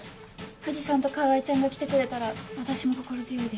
藤さんと川合ちゃんが来てくれたら私も心強いです。